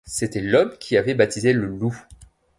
C’était l’homme qui avait baptisé le loup.